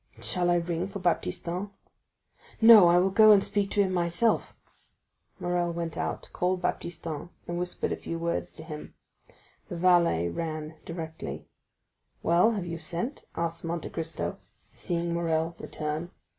"Shall I ring for Baptistin?" "No, I will go and speak to him myself." Morrel went out, called Baptistin, and whispered a few words to him. The valet ran directly. "Well, have you sent?" asked Monte Cristo, seeing Morrel return.